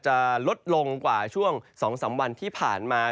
จะลดลงกว่าช่วง๒๓วันที่ผ่านมา